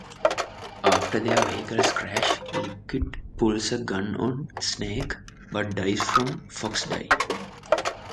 After their vehicles crash, Liquid pulls a gun on Snake but dies from FoxDie.